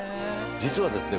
実はですね